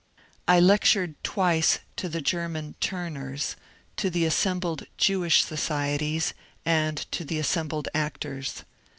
I lectured twice to the German " Turners," to the assembled Jewish societies, and to the assembled actors.